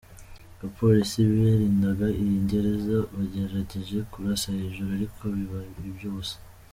Abapolisi barindaga iyi gereza bagerageje kurasa hejuru ariko biba iby’ubusa.